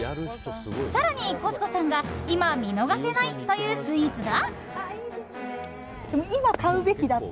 更にコス子さんが今、見逃せないというスイーツが。